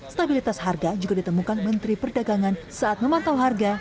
stabilitas harga juga ditemukan menteri perdagangan saat memantau harga